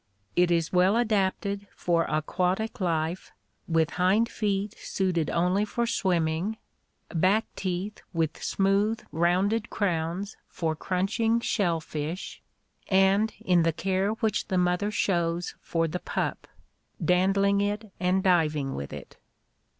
It is well adapted for aquatic life, with hind feet suited only for swimming, back teeth with smooth rounded crowns for crunching "shell fish," and in the care which the mother shows for the pup, — dandling it and diving with it.